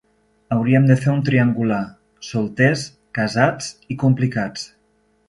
Hauríem de fer un triangular: solters, casats i complicats.